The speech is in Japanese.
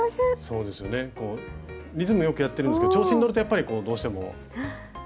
そうですよねリズムよくやってるんですけど調子に乗るとやっぱりこうどうしてもね。